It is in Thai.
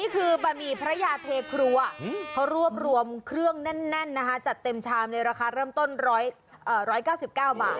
เขารวบรวมเครื่องแน่นจัดเต็มชามเลยราคาเริ่มต้น๑๙๙บาท